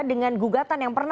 dengan gugatan yang pertamanya